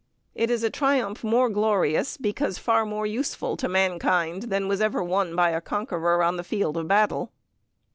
It is a triumph more glorious, because far more useful to mankind than was ever won by a conqueror on the field of battle.